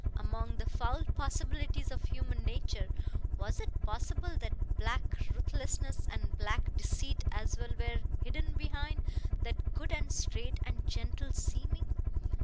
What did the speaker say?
Among the foul possibilities of human nature, was it possible that black ruthlessness and black deceit as well were hidden behind that good and straight and gentle seeming?